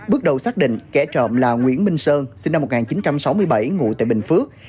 bước đầu xác định kẻ trộm là nguyễn minh sơn sinh năm một nghìn chín trăm sáu mươi bảy ngụ tại bình phước